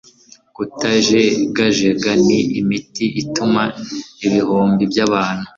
kutajegajega ni imiti ituma ibihumbi byabantu